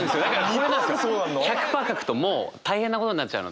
２％でそうなんの？１００％書くともう大変なことになっちゃうので。